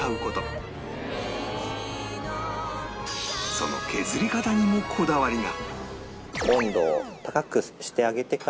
その削り方にもこだわりが